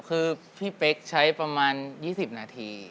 คือพี่เป๊กใช้ประมาณ๒๐นาที